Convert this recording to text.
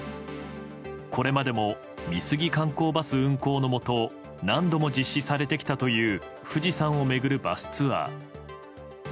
これまでも美杉観光バス運行のもと何度も実施されてきたという富士山を巡るバスツアー。